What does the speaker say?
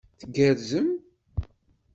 Tgerrzem?